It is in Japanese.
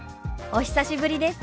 「お久しぶりです」。